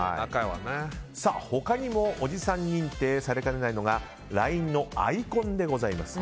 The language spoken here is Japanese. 他にもおじさん認定されかねないのがＬＩＮＥのアイコンでございます。